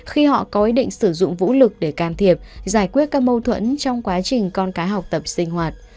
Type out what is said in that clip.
khi họ có ý định sử dụng vũ lực để can thiệp giải quyết các mâu thuẫn trong quá trình con cái học tập sinh hoạt